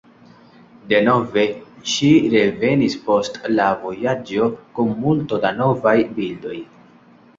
Denove ŝi revenis post la vojaĝo kun multo da novaj bildoj.